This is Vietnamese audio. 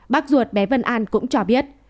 bác ruột bé vân an cũng cho biết